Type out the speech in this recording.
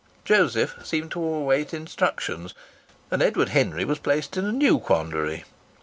Joseph seemed to await instructions. And Edward Henry was placed in a new quandary.